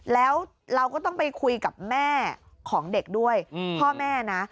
แล้วเราก็ต้องไปคุยกับแม่ของเด็กด้วยพ่อแม่นะ